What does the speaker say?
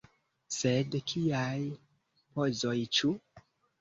Sed kiaj pozoj, ĉu?